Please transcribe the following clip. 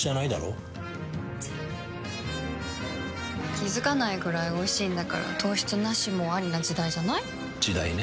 気付かないくらいおいしいんだから糖質ナシもアリな時代じゃない？時代ね。